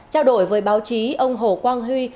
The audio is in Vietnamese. trao đổi với báo chí ông hồ quang huy